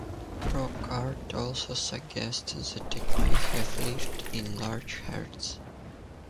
Rock art also suggests that it may have lived in large herds.